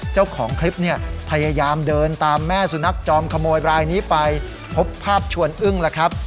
เจ้าของคลิปเนี่ยพยายามเดินตามแม่สุนัขจอมขโมยรายนี้ไปพบภาพชวนอึ้งแล้วครับ